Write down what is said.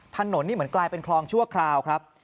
ถนนนี่เหมือนกลายเป็นคลองชั่วคราวครับ